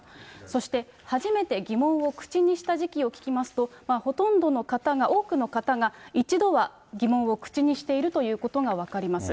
そして、初めて疑問を口にした時期を聞きますと、ほとんどの方が、多くの方が、一度は疑問を口にしているということが分かります。